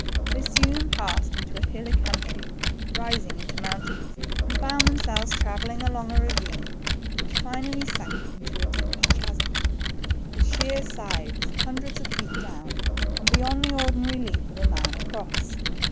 They soon passed into a hilly country rising into mountains, and found themselves travelling along a ravine which finally sank into a deep chasm with 90 THE TWO FRINGES. sheer sides, hundreds of feet down, and beyond the ordinary leap of a man across.